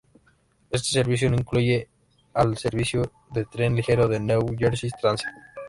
Este servicio no incluye al servicio de tren ligero del New Jersey Transit.